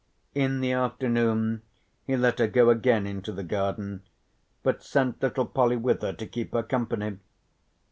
In the afternoon he let her go again into the garden but sent little Polly with her to keep her company.